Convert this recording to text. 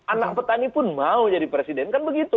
anak petani pun mau jadi presiden kan begitu